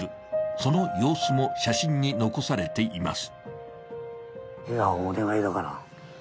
その様子も、写真に残されています